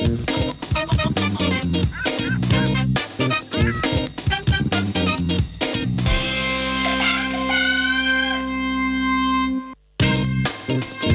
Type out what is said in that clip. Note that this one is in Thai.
นี่มาเร็วมันที่๖โมงเย็นนะครับ